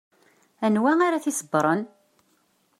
Anwa ara t-iṣebbren?